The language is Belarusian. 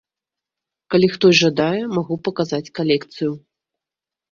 Калі хтось жадае, магу паказаць калекцыю.